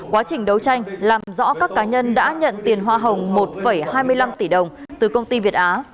quá trình đấu tranh làm rõ các cá nhân đã nhận tiền hoa hồng một hai mươi năm tỷ đồng từ công ty việt á